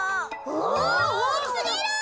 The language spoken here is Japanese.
おおきすぎる！